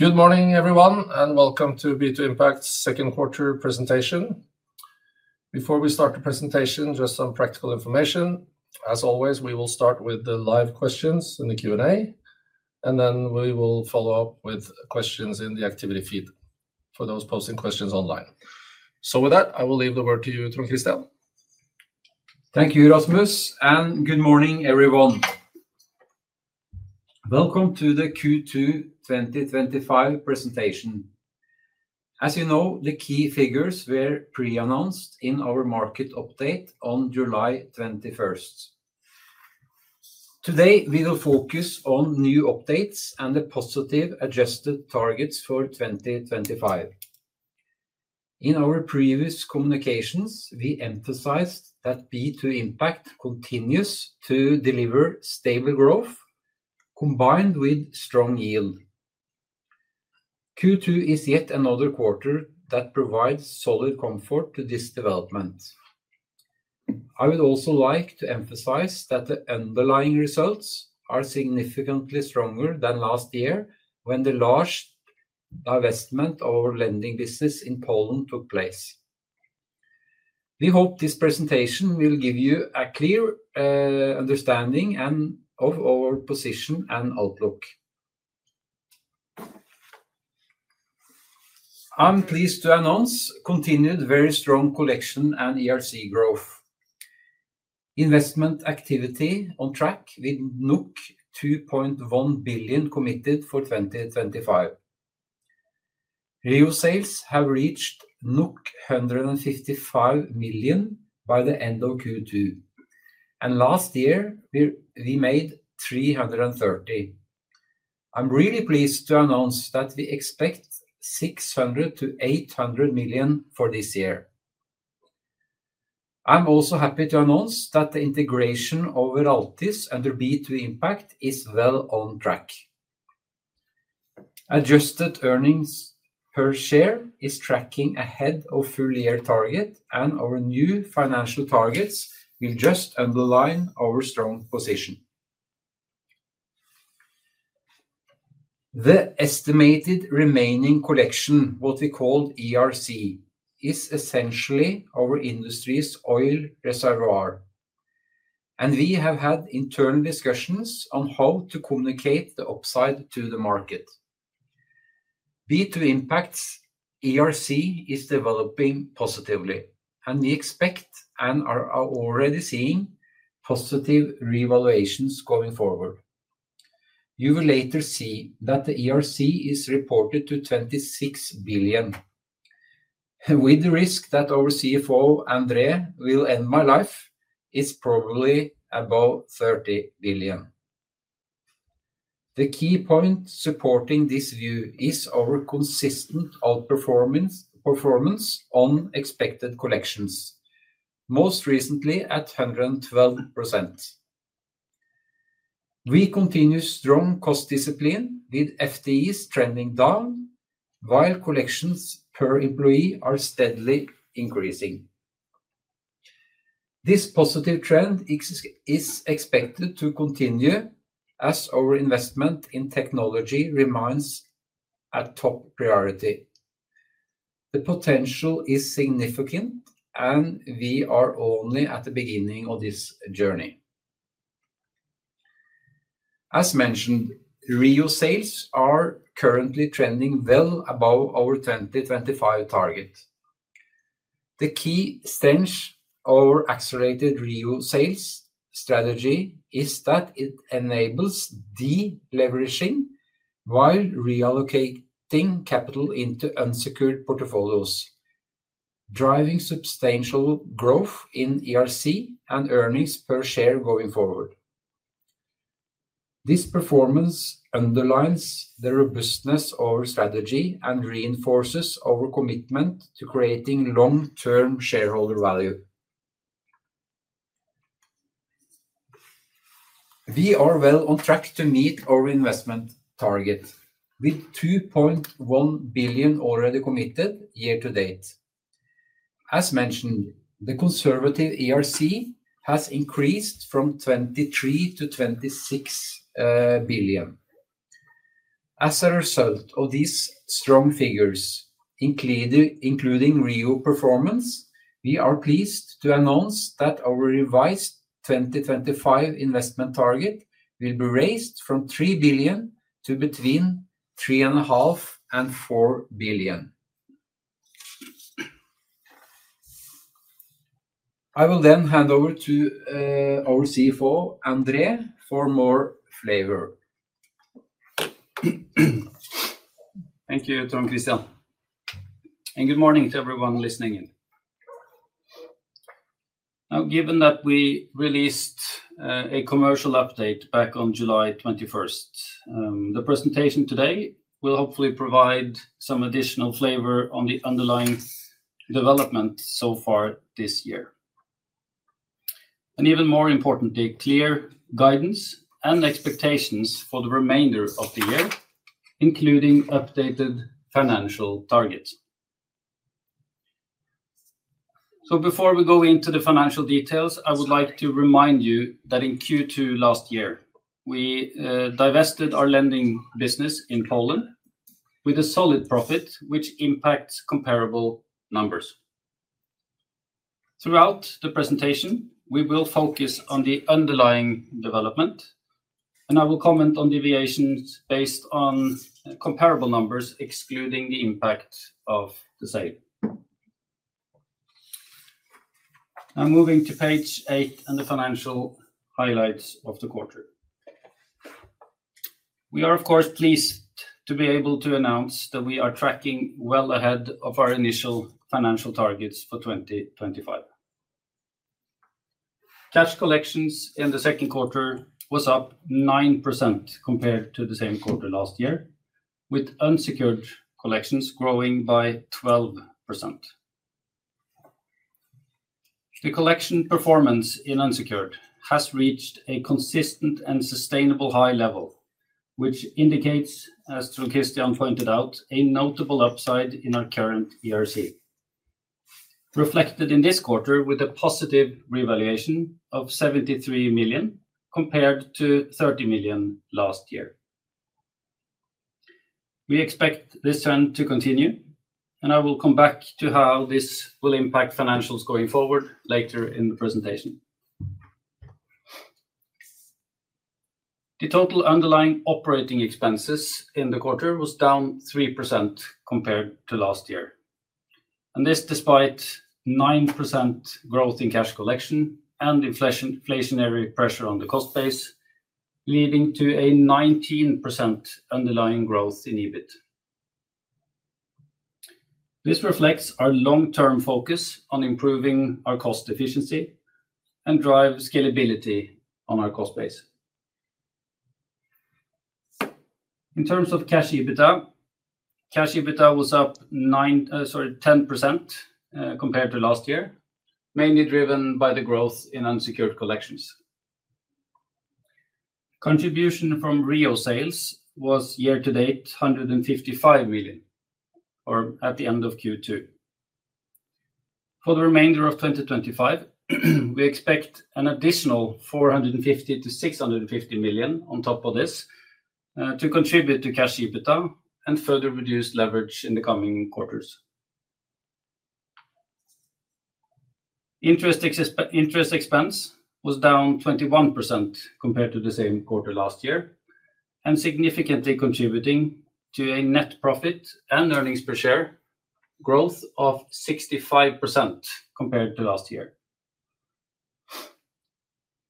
Good morning, everyone, and welcome to the B2 Impact Second Quarter Presentation. Before we start the presentation, just some practical information. As always, we will start with the live questions in the Q&A, and then we will follow up with questions in the activity feed for those posting questions online. With that, I will leave the word to you, Trond Kristian. Thank you, Rasmus, and good morning, everyone. Welcome to the Q2 2025 Presentation. As you know, the key figures were pre-announced in our market update on July 21st. Today, we will focus on new updates and the positive adjusted targets for 2025. In our previous communications, we emphasized that B2 Impact continues to deliver stable growth combined with strong yield. Q2 is yet another quarter that provides solid comfort to this development. I would also like to emphasize that the underlying results are significantly stronger than last year when the large divestment of our lending business in Poland took place. We hope this presentation will give you a clear understanding of our position and outlook. I'm pleased to announce continued very strong collection and ERC growth. Investment activity on track with 2.1 billion committed for 2025. Real sales have reached 155 million by the end of Q2, and last year we made 330. I'm really pleased to announce that we expect 600-800 million for this year. I'm also happy to announce that the integration of Raltis and B2 Impact is well on track. Adjusted earnings per share is tracking ahead of full year targets, and our new financial targets will just underline our strong position. The estimated remaining collection, what we call ERC, is essentially our industry's oil reservoir, and we have had internal discussions on how to communicate the upside to the market. B2 Impact's ERC is developing positively, and we expect and are already seeing positive revaluations going forward. You will later see that the ERC is reported to 26 billion, with the risk that our CFO, André Adolfsen, will end my life, is probably about 30 billion. The key point supporting this view is our consistent outperformance on expected collections, most recently at 112%. We continue strong cost discipline with FTEs trending down, while collections per employee are steadily increasing. This positive trend is expected to continue as our investment in technology remains a top priority. The potential is significant, and we are only at the beginning of this journey. As mentioned, real sales are currently trending well above our 2025 target. The key strength of our accelerated real sales strategy is that it enables deleveraging while reallocating capital into unsecured portfolios, driving substantial growth in ERC and earnings per share going forward. This performance underlines the robustness of our strategy and reinforces our commitment to creating long-term shareholder value. We are well on track to meet our investment target with 2.1 billion already committed year to date. As mentioned, the conservative ERC has increased from 23-26 billion. As a result of these strong figures, including real performance, we are pleased to announce that our revised 2025 investment target will be raised from 3 billion to between 3.5 and 4 billion. I will then hand over to our CFO, André, for more flavor. Thank you, Trond Kristian. Good morning to everyone listening in. Given that we released a commercial update back on July 21st, the presentation today will hopefully provide some additional flavor on the underlying development so far this year. Even more importantly, clear guidance and expectations for the remainder of the year, including updated financial targets. Before we go into the financial details, I would like to remind you that in Q2 last year, we divested our lending business in Poland with a solid profit, which impacts comparable numbers. Throughout the presentation, we will focus on the underlying development, and I will comment on deviations based on comparable numbers, excluding the impact of the same. Now moving to page eight and the financial highlights of the quarter. We are, of course, pleased to be able to announce that we are tracking well ahead of our initial financial targets for 2025. Cash collections in the second quarter was up 9% compared to the same quarter last year, with unsecured collections growing by 12%. The collection performance in unsecured has reached a consistent and sustainable high level, which indicates, as Trond Kristian pointed out, a notable upside in our current ERC. Reflected in this quarter with a positive revaluation of 73 million compared to 30 million last year. We expect this trend to continue, and I will come back to how this will impact financials going forward later in the presentation. The total underlying operating expenses in the quarter were down 3% compared to last year, and this is despite 9% growth in cash collection and inflationary pressure on the cost base, leading to a 19% underlying growth in EBIT. This reflects our long-term focus on improving our cost efficiency and drive scalability on our cost base. In terms of cash EBITDA, cash EBITDA was up 10% compared to last year, mainly driven by the growth in unsecured collections. Contribution from real sales was year to date 155 million at the end of Q2. For the remainder of 2025, we expect an additional 450 million- 650 million on top of this to contribute to cash EBITDA and further reduce leverage in the coming quarters. Interest expense was down 21% compared to the same quarter last year, significantly contributing to a net profit and earnings per share growth of 65% compared to last year.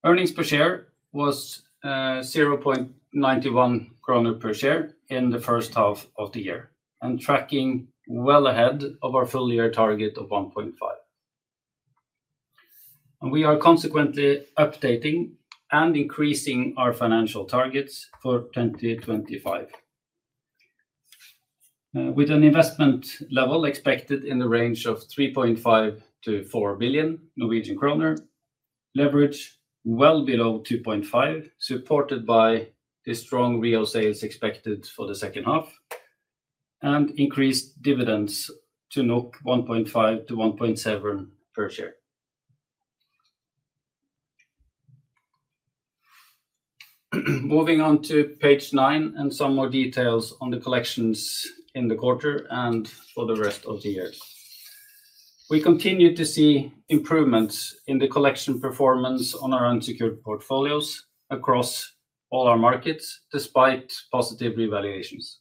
Earnings per share was 0.91 kroner per share in the first half of the year, and tracking well ahead of our full year target of 1.5. We are consequently updating and increasing our financial targets for 2025. With an investment level expected in the range of 3.5-4 billion Norwegian kroner, leverage well below 2.5, supported by the strong real sales expected for the second half, and increased dividends to 1.5 to 1.7 per share. Moving on to page nine and some more details on the collections in the quarter and for the rest of the year. We continue to see improvements in the collection performance on our unsecured portfolios across all our markets, despite positive revaluations.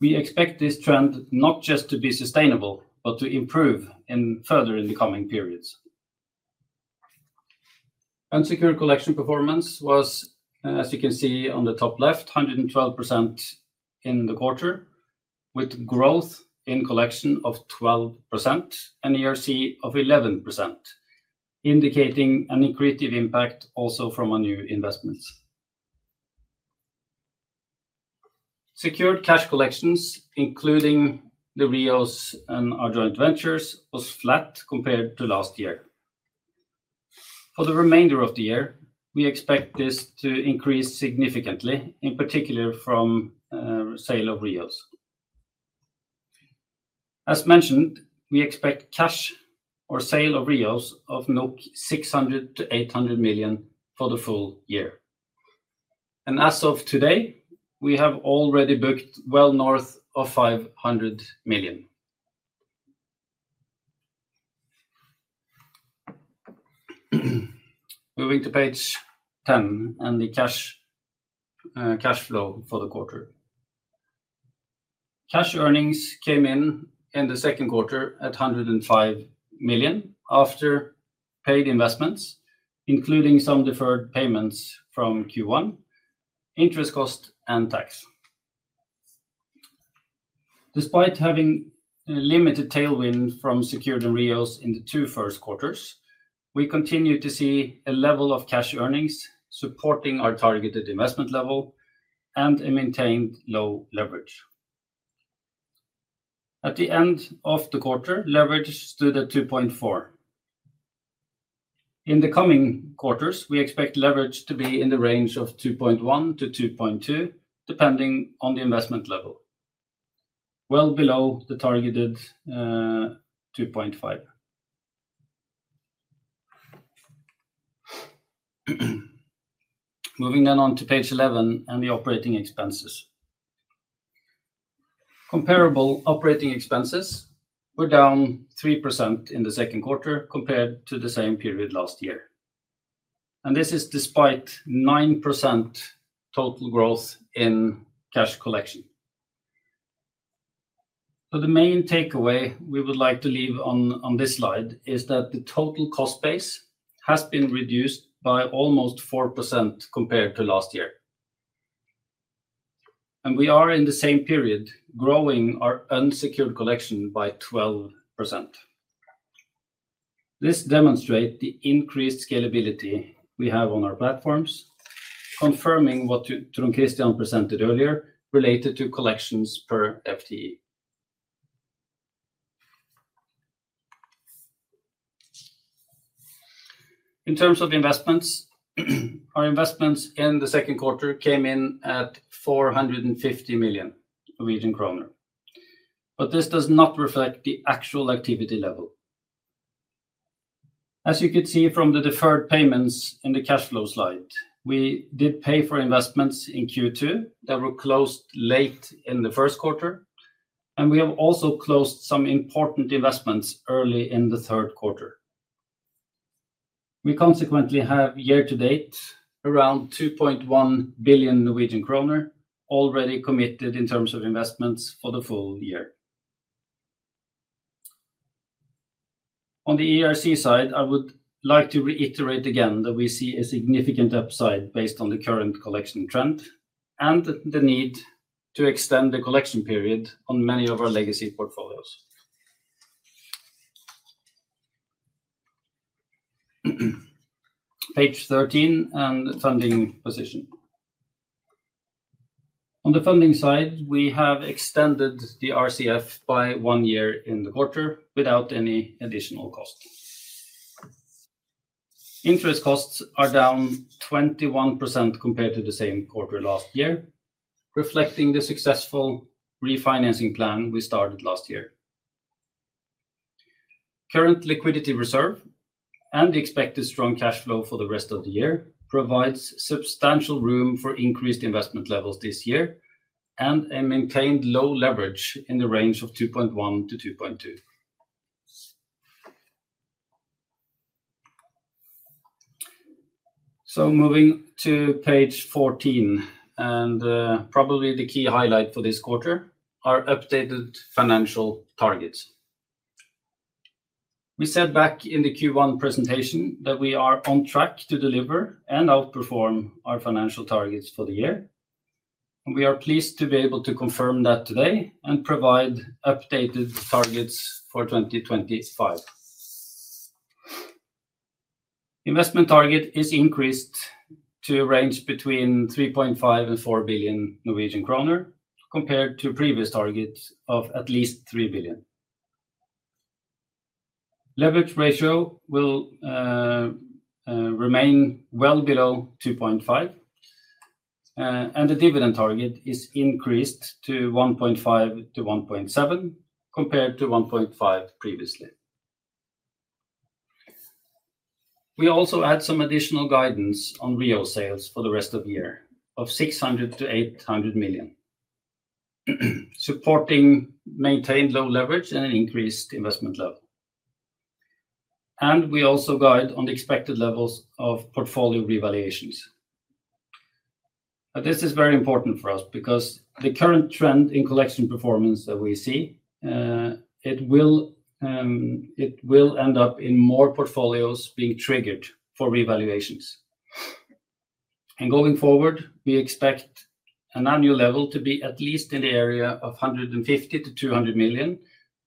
We expect this trend not just to be sustainable, but to improve further in the coming periods. Unsecured collection performance was, as you can see on the top left, 112% in the quarter, with growth in collection of 12% and ERC of 11%, indicating an increase in impact also from our new investments. Secured cash collections, including the reals and our joint ventures, was flat compared to last year. For the remainder of the year, we expect this to increase significantly, in particular from sale of reals. As mentioned, we expect cash or sale of reals of 600 million-800 million for the full year. As of today, we have already booked well north of 500 million. Moving to page 10 and the cash flow for the quarter. Cash earnings came in in the second quarter at 105 million after paid investments, including some deferred payments from Q1, interest cost, and tax. Despite having a limited tailwind from security reals in the two first quarters, we continue to see a level of cash earnings supporting our targeted investment level and a maintained low leverage. At the end of the quarter, leverage stood at 2.4. In the coming quarters, we expect leverage to be in the range of 2.1-2.2, depending on the investment level, well below the targeted 2.5. Moving then on to page 11 and the operating expenses. Comparable operating expenses were down 3% in the second quarter compared to the same period last year. This is despite 9% total growth in cash collection. The main takeaway we would like to leave on this slide is that the total cost base has been reduced by almost 4% compared to last year. We are in the same period growing our unsecured collection by 12%. This demonstrates the increased scalability we have on our platforms, confirming what Trond Kristian presented earlier related to collections per FTE. In terms of investments, our investments in the second quarter came in at 450 million Norwegian kroner, but this does not reflect the actual activity level. As you could see from the deferred payments in the cash flow slide, we did pay for investments in Q2 that were closed late in the first quarter, and we have also closed some important investments early in the third quarter. We consequently have year to date around 2.1 billion Norwegian kroner already committed in terms of investments for the full year. On the ERC side, I would like to reiterate again that we see a significant upside based on the current collection trend, and the need to extend the collection period on many of our legacy portfolios. Page 13 and funding position. On the funding side, we have extended the RCF by one year in the quarter without any additional cost. Interest costs are down 21% compared to the same quarter last year, reflecting the successful refinancing plan we started last year. Current liquidity reserve and the expected strong cash flow for the rest of the year provides substantial room for increased investment levels this year and a maintained low leverage in the range of 2.1-2.2. Moving to page 14, and probably the key highlight for this quarter are updated financial targets. We said back in the Q1 presentation that we are on track to deliver and outperform our financial targets for the year, and we are pleased to be able to confirm that today and provide updated targets for 2025. Investment target is increased to a range between 3.5 and 4 billion Norwegian kroner compared to previous targets of at least 3 billion. Leverage ratio will remain well below 2.5 billion, and the dividend target is increased to 1.5 billion to 1.7 billion compared to 1.5 billion previously. We also add some additional guidance on real sales for the rest of the year of 600 to 800 million, supporting maintained low leverage and an increased investment level. We also guide on the expected levels of portfolio revaluations. This is very important for us because the current trend in collection performance that we see, it will end up in more portfolios being triggered for revaluations. Going forward, we expect an annual level to be at least in the area of 150 million-200 million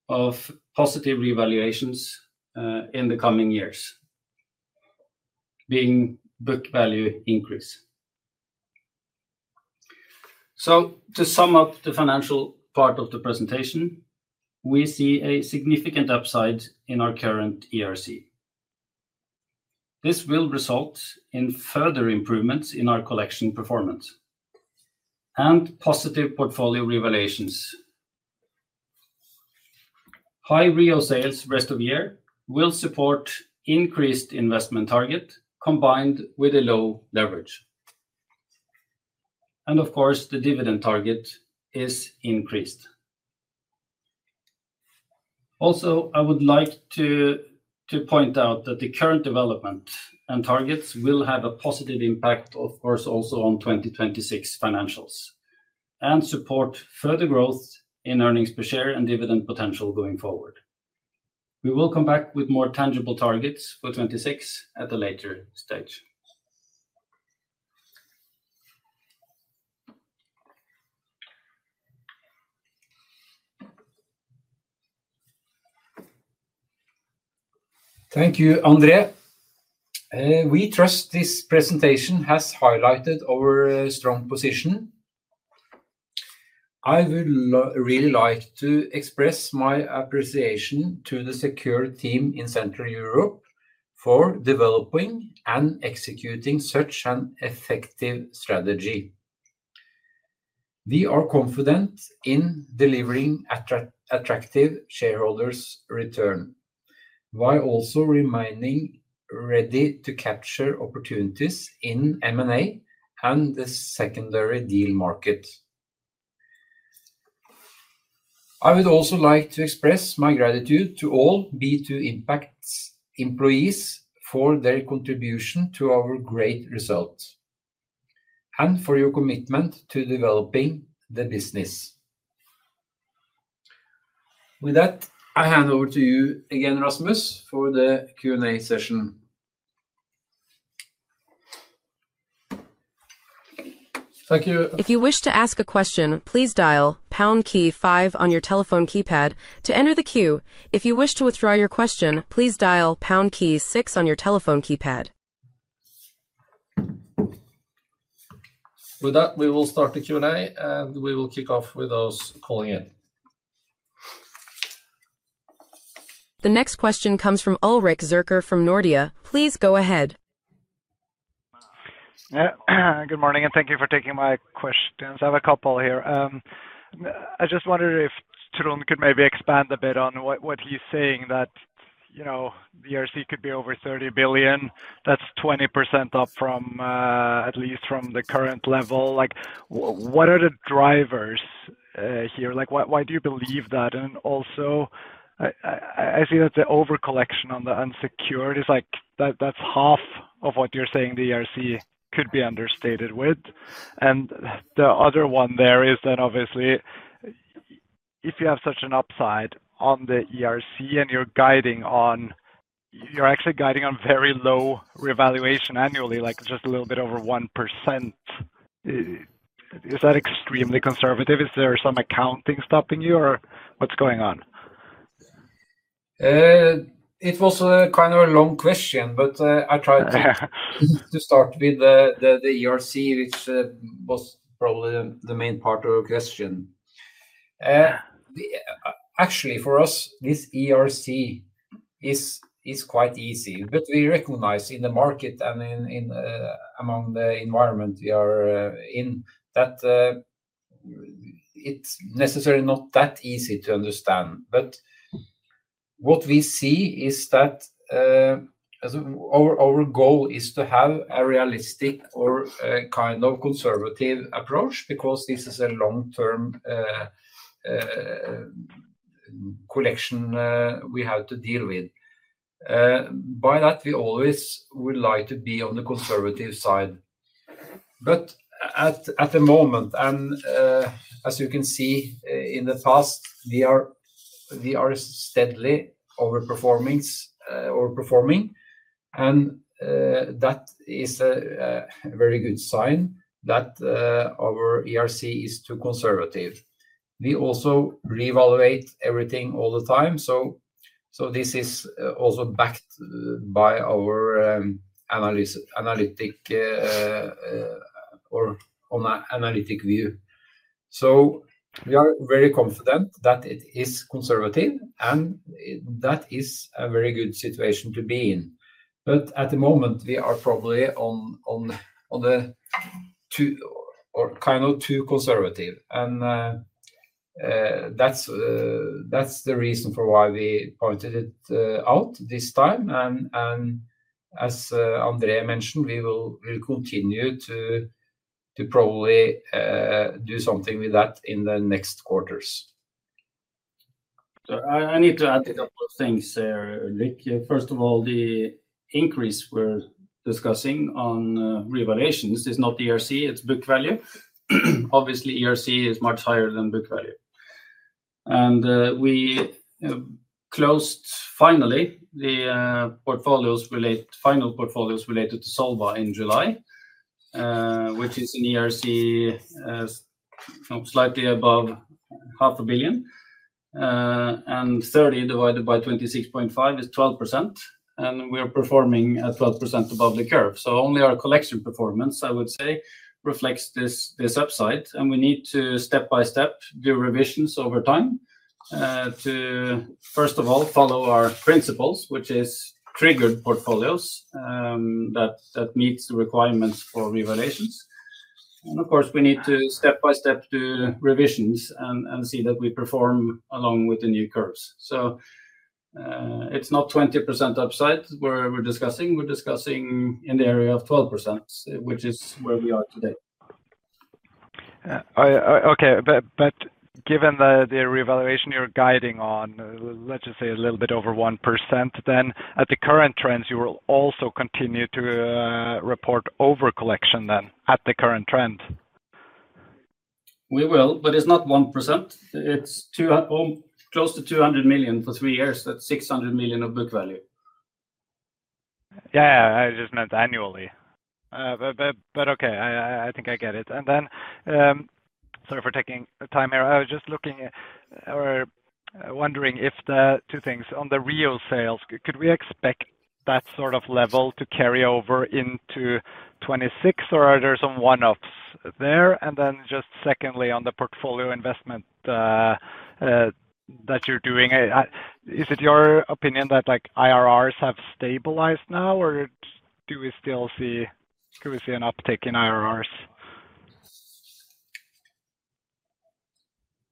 of positive revaluations in the coming years, being book value increase. To sum up the financial part of the presentation, we see a significant upside in our current ERC. This will result in further improvements in our collection performance and positive portfolio revaluations. High real sales rest of the year will support increased investment target combined with a low leverage. The dividend target is increased. I would like to point out that the current development and targets will have a positive impact, of course, also on 2026 financials and support further growth in earnings per share and dividend potential going forward. We will come back with more tangible targets for 2026 at a later stage. Thank you, André. We trust this presentation has highlighted our strong position. I would really like to express my appreciation to the secured team in Central Europe for developing and executing such an effective strategy. We are confident in delivering attractive shareholders' returns while also remaining ready to capture opportunities in M&A and the secondary deal market. I would also like to express my gratitude to all B2 Impact employees for their contribution to our great result and for your commitment to developing the business. With that, I hand over to you again, Rasmus, for the Q&A session. Thank you. If you wish to ask a question, please dial pound key five on your telephone keypad to enter the queue. If you wish to withdraw your question, please dial pound key six on your telephone keypad. With that, we will start the Q&A, and we will kick off with those calling in. The next question comes from Ulrik Zurker from Nordea. Please go ahead. Good morning, and thank you for taking my questions. I have a couple here. I just wondered if Trond could maybe expand a bit on what he's saying that, you know, the ERC could be over 30 billion. That's 20% up from at least from the current level. What are the drivers here? Why do you believe that? I see that the overcollection on the unsecured is like that's half of what you're saying the ERC could be understated with. The other one there is that obviously, if you have such an upside on the ERC and you're guiding on, you're actually guiding on very low revaluation annually, like just a little bit over 1%. Is that extremely conservative? Is there some accounting stopping you, or what's going on? It was kind of a long question, but I'll try to start with the ERC, which was probably the main part of the question. Actually, for us, this ERC is quite easy, but we recognize in the market and among the environment we are in that it's necessarily not that easy to understand. What we see is that our goal is to have a realistic or kind of conservative approach because this is a long-term collection we have to deal with. By that, we always would like to be on the conservative side. At the moment, and as you can see in the past, we are steadily overperforming, and that is a very good sign that our ERC is too conservative. We also reevaluate everything all the time. This is also backed by our analytic view, so we are very confident that it is conservative, and that is a very good situation to be in. At the moment, we are probably on the kind of too conservative, and that's the reason for why we pointed it out this time. As André mentioned, we will continue to probably do something with that in the next quarters. I need to add a couple of things there, Ulrik. First of all, the increase we're discussing on revaluations is not the ERC, it's book value. Obviously, ERC is much higher than book value. We closed finally the final portfolios related to Solva in July, which is an ERC slightly above half a billion. 30 divided by 26.5 is 12%, and we are performing at 12% above the curve. Only our collection performance, I would say, reflects this upside, and we need to step by step do revisions over time to, first of all, follow our principles, which is triggered portfolios that meet the requirements for revaluations. Of course, we need to step by step do revisions and see that we perform along with the new curves. It's not 20% upside we're discussing. We're discussing in the area of 12%, which is where we are today. Given the revaluation you're guiding on, let's just say a little bit over 1% then, at the current trends, you will also continue to report overcollection at the current trend? We will, but it's not 1%. It's close to 200 million for three years. That's 600 million of book value. Yeah, I just meant annually. Okay, I think I get it. Sorry for taking time here, I was just looking or wondering if the two things on the real sales, could we expect that sort of level to carry over into 2026, or are there some one-offs there? Secondly, on the portfolio investment that you're doing, is it your opinion that like IRRs have stabilized now, or do we still see, could we see an uptick in IRRs?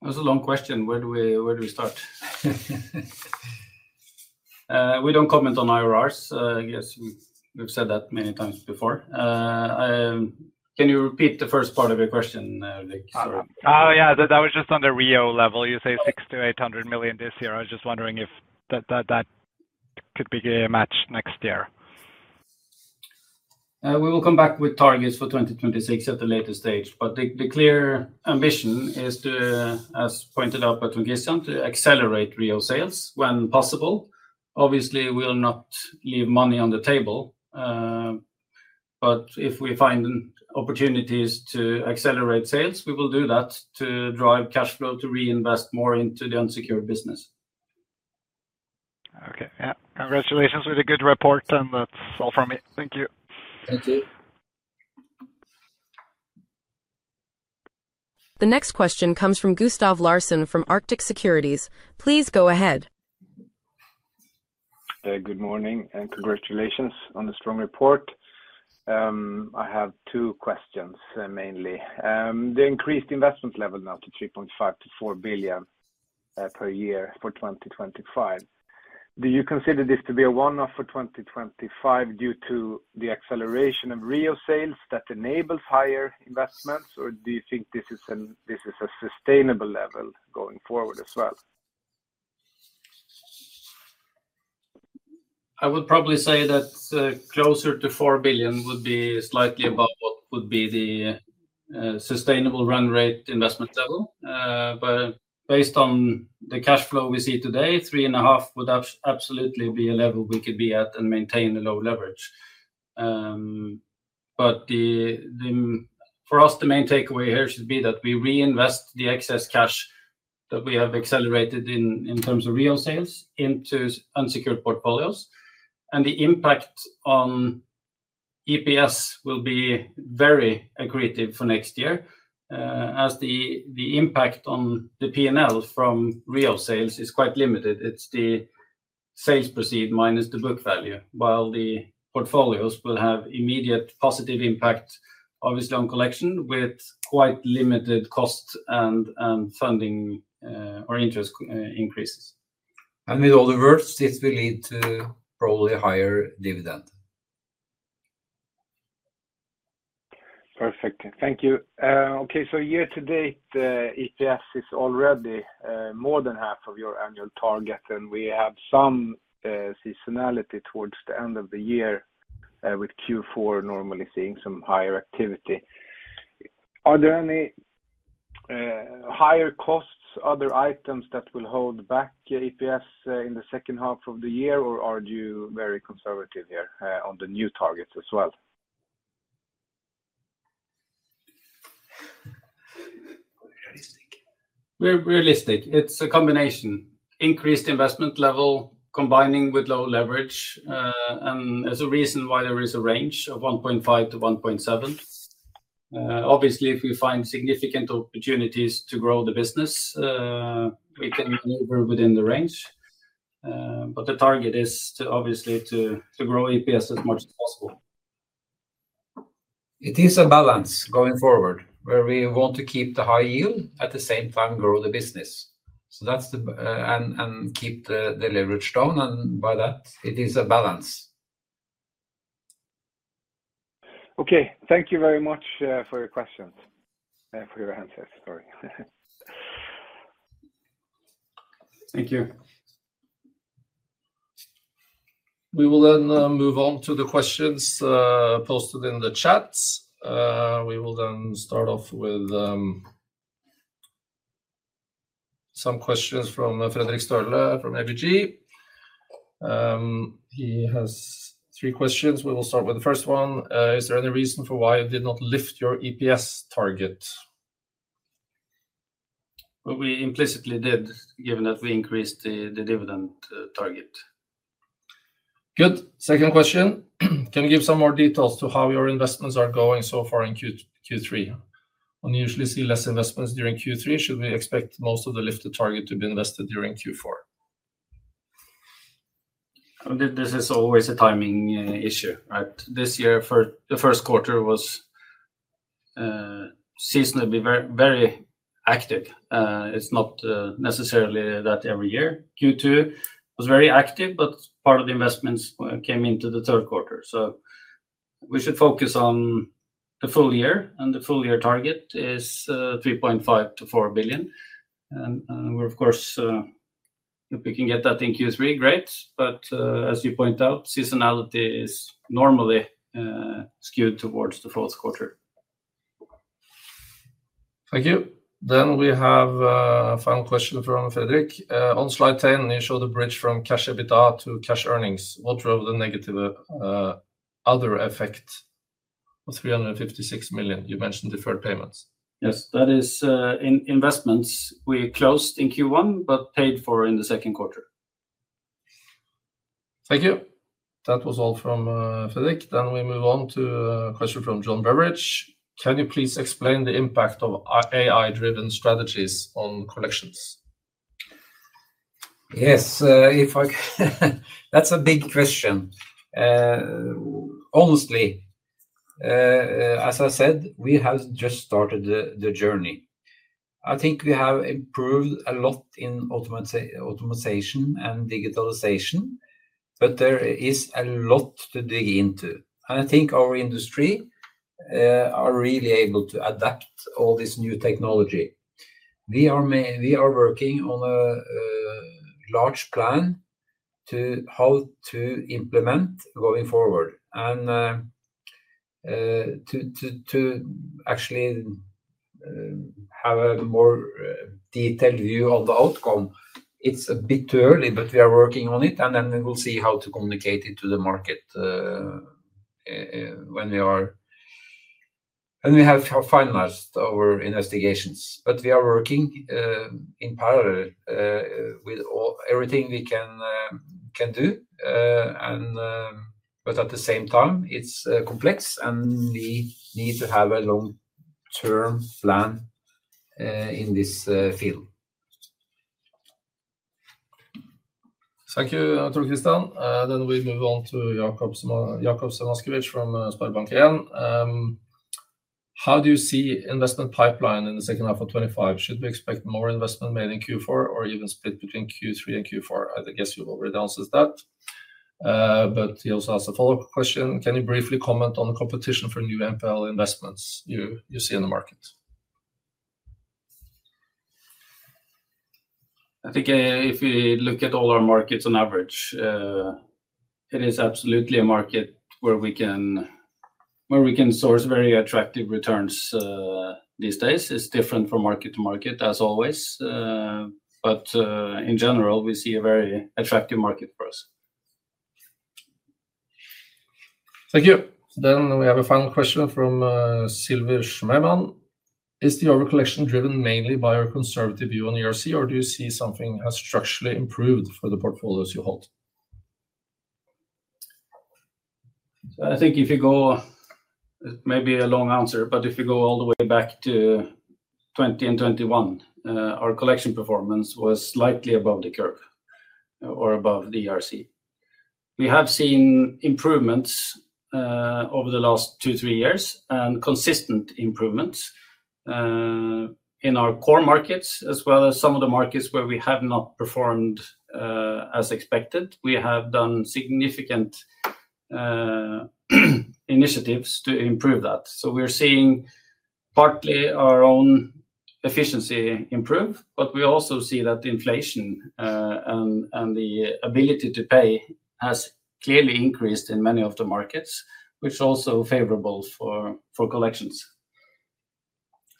That's a long question. Where do we start? We don't comment on IRRs. Yes, we've said that many times before. Can you repeat the first part of your question, Ulrik? Yeah, that was just on the Rio level. You say 600 million-800 million this year. I was just wondering if that could be a match next year. We will come back with targets for 2026 at a later stage. The clear ambition is to, as pointed out by Trond Kristian, accelerate real sales when possible. Obviously, we'll not leave money on the table. If we find opportunities to accelerate sales, we will do that to drive cash flow to reinvest more into the unsecured business. Okay, congratulations with a good report, and that's all from me. Thank you. Thank you. The next question comes from Gustav Larsen from Arctic Securities. Please, go ahead. Good morning, and congratulations on the strong report. I have two questions, mainly. The increased investment level now to 3.5-4 billion per year for 2025, do you consider this to be a one-off for 2025 due to the acceleration of real sales that enables higher investments, or do you think this is a sustainable level going forward as well? I would probably say that closer to 4 billion would be slightly above what would be the sustainable run rate investment level. Based on the cash flow we see today, 3.5 billion would absolutely be a level we could be at and maintain a low leverage. For us, the main takeaway here should be that we reinvest the excess cash that we have accelerated in terms of real sales into unsecured portfolios. The impact on EPS will be very accretive for next year, as the impact on the P&L from real sales is quite limited. It's the sales proceed minus the book value, while the portfolios will have immediate positive impact, obviously on collection with quite limited costs and funding or interest increases. In all the worst, this will lead to probably higher dividend. Perfect. Thank you. Okay, so year to date, EPS is already more than half of your annual target, and we have some seasonality towards the end of the year with Q4 normally seeing some higher activity. Are there any higher costs, other items that will hold back your EPS in the second half of the year, or are you very conservative here on the new targets as well? We're realistic. It's a combination: increased investment level combining with low leverage, and there's a reason why there is a range of 1.5 to 1.7. Obviously, if we find significant opportunities to grow the business, we can move within the range. The target is obviously to grow EPS as much as possible. It is a balance going forward where we want to keep the high yield, at the same time grow the business. That is the key to keep the leverage down, and by that, it is a balance. Okay, thank you very much for your questions and for your answers, Barry. Thank you. We will then move on to the questions posted in the chat. We will then start off with some questions from Frederic Størle from ABG. He has three questions. We will start with the first one. Is there any reason for why you did not lift your EPS target? We implicitly did, given that we increased the dividend target. Good. Second question. Can you give some more details to how your investments are going so far in Q3? We usually see less investments during Q3. Should we expect most of the lifted target to be invested during Q4? This is always a timing issue. This year, the first quarter was seasonally very active. It's not necessarily that every year. Q2 was very active, but part of the investments came into the third quarter. We should focus on the full year, and the full year target is 3.5 to 4 billion. Of course, if we can get that in Q3, great. As you point out, seasonality is normally skewed towards the fourth quarter. Thank you. We have a final question from Frederic. On slide 10, you show the bridge from cash EBITDA to cash earnings. What drove the negative other effect of 356 million? You mentioned deferred payments. Yes, that is investments we closed in Q1, but paid for in the second quarter. Thank you. That was all from Frederic. We move on to a question from John Beveridge. Can you please explain the impact of AI-driven strategies on collections? Yes, that's a big question. Honestly, as I said, we have just started the journey. I think we have improved a lot in automatization and digitalization, but there is a lot to dig into. I think our industry is really able to adapt to all this new technology. We are working on a large plan for how to implement going forward and to actually have a more detailed view of the outcome. It's a bit too early, but we are working on it, and we will see how to communicate it to the market when we have finalized our investigations. We are working in parallel with everything we can do, but at the same time, it's complex, and we need to have a long-term plan in this field. Thank you, Trond Kristian. We move on to Jakobsen Askewich from SpareBank 1. How do you see the investment pipeline in the second half of 2025? Should we expect more investment made in Q4 or an even split between Q3 and Q4? I guess you've already answered that. He also asked a follow-up question. Can you briefly comment on the competition for new NPL investments you see in the market? I think if we look at all our markets on average, it is absolutely a market where we can source very attractive returns these days. It is different from market to market, as always, but in general, we see a very attractive market for us. Thank you. We have a final question from Silvius Schmeimann. Is the overcollection driven mainly by your conservative view on ERC, or do you see something has structurally improved for the portfolios you hold? I think if we go, it may be a long answer, but if we go all the way back to 2020 and 2021, our collection performance was slightly above the curve or above the ERC. We have seen improvements over the last two to three years and consistent improvements in our core markets, as well as some of the markets where we have not performed as expected. We have done significant initiatives to improve that. We're seeing partly our own efficiency improve, but we also see that inflation and the ability to pay has clearly increased in many of the markets, which is also favorable for collections.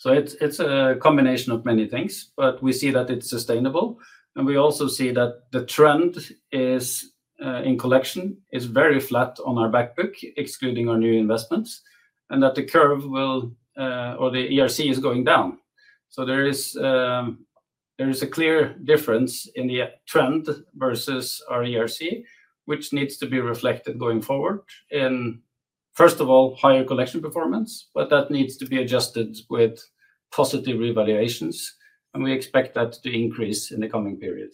It is a combination of many things, but we see that it's sustainable. We also see that the trend in collection is very flat on our backbook, excluding our new investments, and that the curve or the ERC is going down. There is a clear difference in the trend versus our ERC, which needs to be reflected going forward in, first of all, higher collection performance, but that needs to be adjusted with positive revaluations. We expect that to increase in the coming period.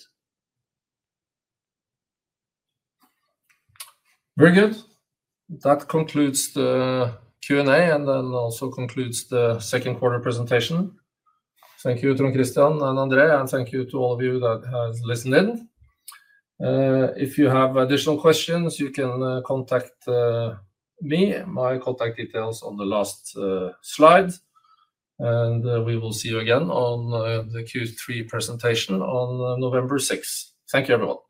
Very good. That concludes the Q&A and also concludes the second quarter presentation. Thank you, Trond Kristian and André, and thank you to all of you that have listened in. If you have additional questions, you can contact me. My contact details are on the last slide. We will see you again on the Q3 presentation on November 6th. Thank you, everyone.